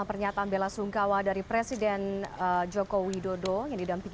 terima kasih pak